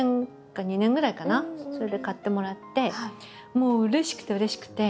もううれしくてうれしくて。